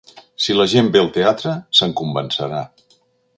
Si la gent ve al teatre, se'n convencerà.